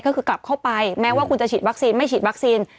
ก็คือกลับเข้าไปแม้ว่าคุณจะฉีดวัคซีนไม่ฉีดวัคซีน